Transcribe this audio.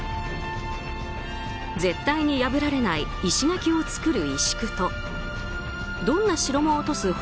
絶対に破られない石垣を作る石工とどんな城も落とす